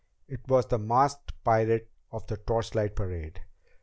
It was the masked pirate of the torchlight parade!